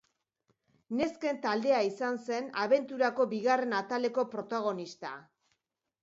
Nesken taldea izan zen abenturako bigarren ataleko protagonista.